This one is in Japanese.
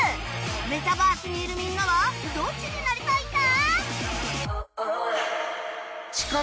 メタバースにいるみんなはどっちになりたいんだ？